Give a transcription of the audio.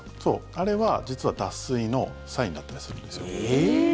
あれは実は、脱水のサインだったりするんですよ。